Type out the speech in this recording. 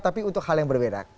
tapi untuk hal yang berbeda